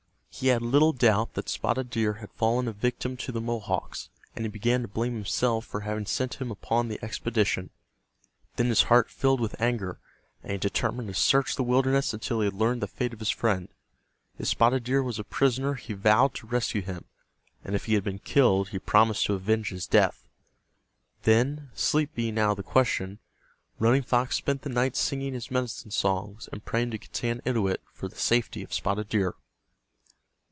He had little doubt that Spotted Deer had fallen a victim to the Mohawks, and he began to blame himself for having sent him upon the expedition. Then his heart filled with anger, and he determined to search the wilderness until he had learned the fate of his friend. If Spotted Deer was a prisoner he vowed to rescue him, and if he had been killed he promised to avenge his death. Then, sleep being out of the question, Running Fox spent the night singing his medicine songs and praying to Getanittowit for the safety of Spotted Deer.